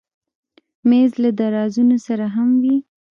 مېز له درازونو سره هم وي.